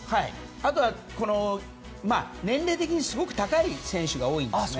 あとは、年齢的にすごく高い選手が多いんですね。